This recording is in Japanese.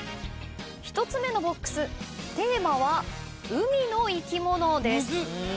１つ目のＢＯＸテーマは「海の生き物」です。